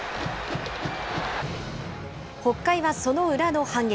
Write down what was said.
北海はその裏の反撃。